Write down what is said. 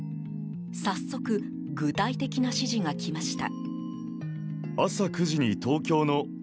早速、具体的な指示が来ました。